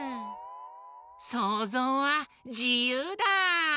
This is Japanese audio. そうぞうはじゆうだ！